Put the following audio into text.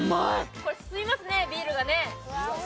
これ、すすみますね、ビールがね。